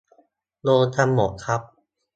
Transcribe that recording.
โดนกันหมดครับ